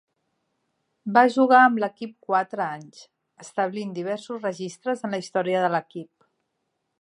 Va jugar amb l'equip quatre anys, establint diversos registres en la història de l'equip.